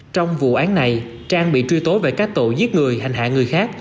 trong vụ án này trang bị truy tố về các tội giết người hành hạ người khác